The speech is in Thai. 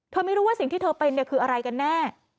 ไม่รู้ว่าสิ่งที่เธอเป็นเนี่ยคืออะไรกันแน่